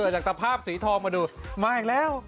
จากตะภาพสีทองมาดูมาอีกแล้ว